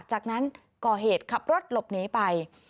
จากนั้นก่อเหตุขับรถหลบหนีไป